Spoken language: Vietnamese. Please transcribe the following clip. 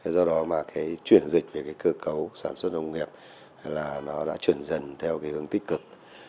do đó mà cái chuyển dịch về cái cơ cấu sản xuất nông nghiệp là nó đã chuyển dần theo cái hướng tích cực